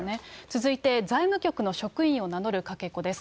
続いて、財務局の職員を名乗るかけ子です。